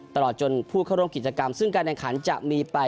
ตลอดจนผู้เข้าร่วมกิจกรรมซึ่งการแข่งขันจะมีไป